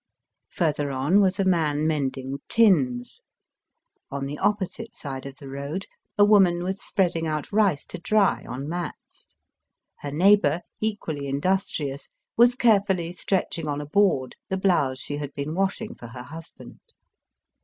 Further on was a man mending tins. On the Digitized by VjOOQIC 200 EAST BT WEST, opposite side of the road a woman was spread ing ont rice to dry on mats. Her neighbour, equally industrious, was carefully stretching on a board the blouse she had been washing for her husband.